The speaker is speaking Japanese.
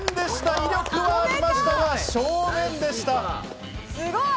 威力はありましたが正面でした。